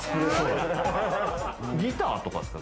ギターとかですか？